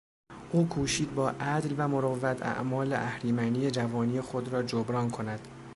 او کوشید با عدل و مروت اعمال اهریمنی جوانی خود را جبران کند.